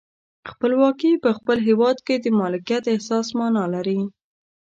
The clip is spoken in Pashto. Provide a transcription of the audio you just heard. خپلواکي په خپل هیواد کې د مالکیت احساس معنا لري.